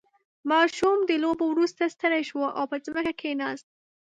• ماشوم د لوبو وروسته ستړی شو او پر ځمکه کښېناست.